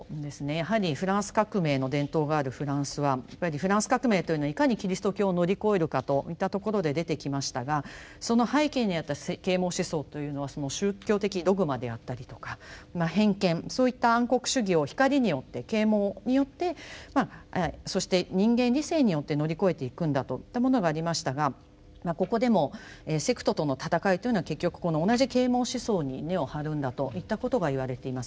やはりフランス革命の伝統があるフランスはやっぱりフランス革命というのはいかにキリスト教を乗り越えるかといったところで出てきましたがその背景にあった啓蒙思想というのは宗教的ドグマであったりとか偏見そういった暗黒主義を光によって啓蒙によってそして人間理性によって乗り越えていくんだといったものがありましたがここでもセクトとのたたかいというのは結局この同じ啓蒙思想に根を張るんだといったことがいわれています。